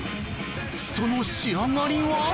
その仕上がりは？